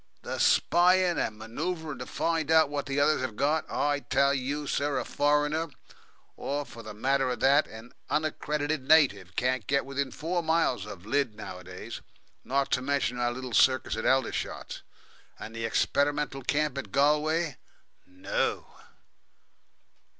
The spying and manoeuvring to find out what the others have got. I tell you, sir, a foreigner, or, for the matter of that, an unaccredited native, can't get within four miles of Lydd nowadays not to mention our little circus at Aldershot, and the experimental camp in Galway. No!"